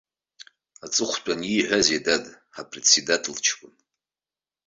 Аҵыхәтәан ииҳәазеи, дад, ҳапредседател ҷкәын?